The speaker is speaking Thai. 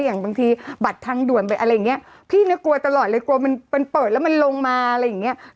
อย่างบางทีบัตรทางด่วนไปอะไรอย่างนี้